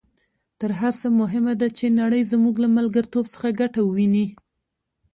تر هر څه مهمه ده چې نړۍ زموږ له ملګرتوب څخه ګټه وویني.